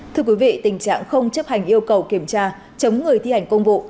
thưa quý vị tình trạng không chấp hành yêu cầu kiểm tra chống người thi hành công vụ